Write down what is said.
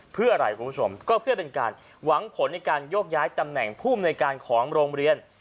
เพื่ออะไรเพื่อเป็นการหวังผลในการยกย้ายตำแหน่งผู้บรรยายการของโรงเรียน